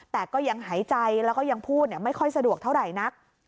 แต่ก็ยังหายใจแล้วก็ยังพูดไม่ค่อยสะดวกเท่าไหร่นัก